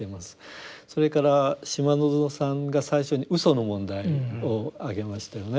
それから島薗さんが最初に嘘の問題を挙げましたよね。